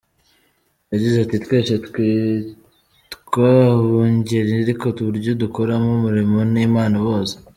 Yagize ati “Twese twitwa abungeri ariko uburyo dukoramo umurimo ni Imana ibuzi.